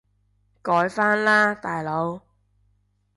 改返喇大佬